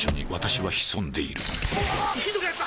ひどくなった！